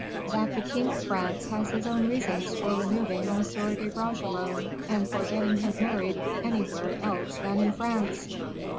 "That the king of France has his own reasons for removing M. de Bragelonne, and for getting him married anywhere else than in France."